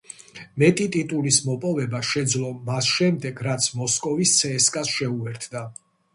მეტი ტიტულის მოპოვება შეძლო მას შემდეგ, რაც მოსკოვის „ცსკა–ს“ შეუერთდა.